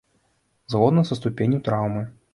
Згодна са ступенню траўмы.